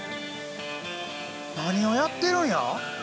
何をやってるんや？